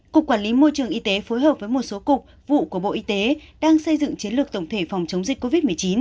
cục quản lý môi trường y tế phối hợp với một số cục vụ của bộ y tế đang xây dựng chiến lược tổng thể phòng chống dịch covid một mươi chín